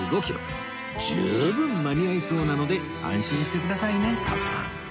十分間に合いそうなので安心してくださいね徳さん